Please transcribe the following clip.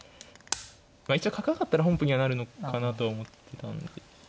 一応角上がったら本譜にはなるのかなとは思ってたんで。